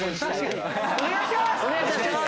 お願いします！